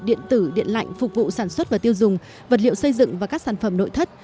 điện tử điện lạnh phục vụ sản xuất và tiêu dùng vật liệu xây dựng và các sản phẩm nội thất